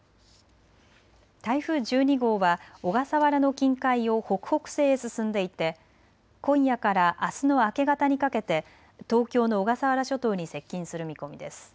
台風１２号は小笠原の近海を北北西へ進んでいて今夜からあすの明け方にかけて東京の小笠原諸島に接近する見込みです。